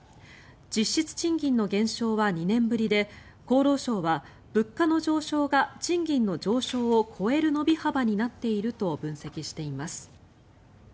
実質賃金の減少は２年ぶりで厚労省は、物価の上昇が賃金の上昇を超える伸び幅になっていると分析しています。